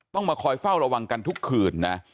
ต้องมาคอยเฝ้าระวังกันทุกคืนนะ